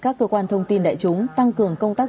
các cơ quan thông tin đại chúng tăng cường công tác